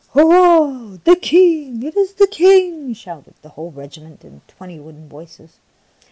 "Hurrah! The King! It is the King!" shouted the whole regiment in twenty wooden voices.